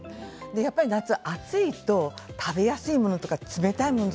やっぱり夏は暑いと食べやすいもの、冷たいもの